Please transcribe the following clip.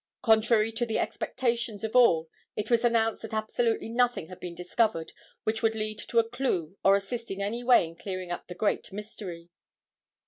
Contrary to the expectations of all it was announced that absolutely nothing had been discovered which would lead to a clue or assist in any way in clearing up the great mystery.